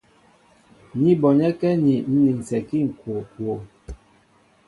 Ní bonɛ́kɛ́ aní ń linsɛkí ŋ̀kokwo.